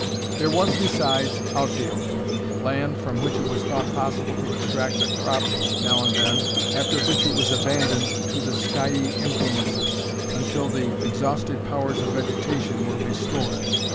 There was, besides, out field land, from which it was thought possible to extract a crop now and then, after which it was abandoned to the "skiey influences," until the exhausted powers of vegetation were restored.